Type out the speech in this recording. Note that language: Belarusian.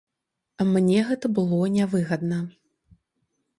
Мне гэта было нявыгадна.